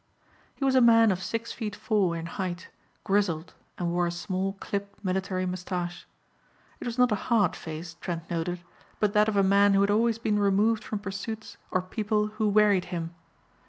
He was a man of six feet four in height, grizzled and wore a small clipped military moustache. It was not a hard face, Trent noted, but that of a man who had always been removed from pursuits or people who wearied him.